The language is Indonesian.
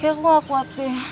kayak gue gak kuat deh